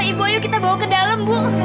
ibu ayo kita bawa ke dalam bu